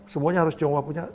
semuanya harus tionghoa punya